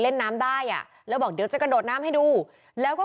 เล่นน้ำได้อ่ะแล้วบอกเดี๋ยวจะกระโดดน้ำให้ดูแล้วก็